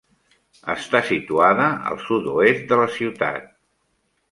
Està situada al sud-oest de la ciutat.